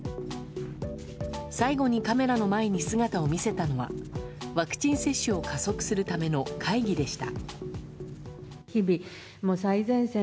最後にカメラの前に姿を見せたのはワクチン接種を加速するための会議でした。